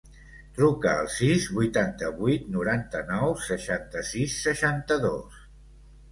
Truca al sis, vuitanta-vuit, noranta-nou, seixanta-sis, seixanta-dos.